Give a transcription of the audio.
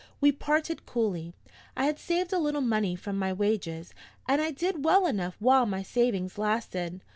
We parted coolly. I had saved a little money from my wages; and I did well enough while my savings lasted.